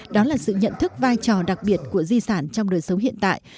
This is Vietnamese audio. đó là sự nhận thức vai trò đặc biệt của di sản trong đời sống hiện tại